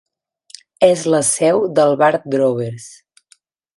És la seu del bar Drovers.